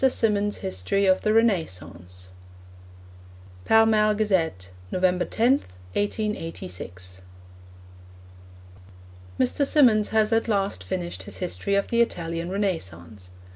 SYMONDS' HISTORY OF THE RENAISSANCE (Pall Mall Gazette, November 10, 1886.) Mr. Symonds has at last finished his history of the Italian Renaissance.